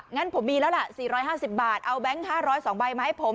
งั้นผมมีแล้วล่ะ๔๕๐บาทเอาแก๊ง๕๐๒ใบมาให้ผม